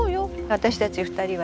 私たち２人はね